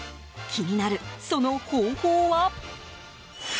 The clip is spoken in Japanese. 気になる、その方法は。